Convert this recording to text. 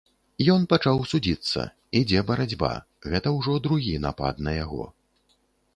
Ён пачаў судзіцца, ідзе барацьба, гэта ўжо другі напад на яго.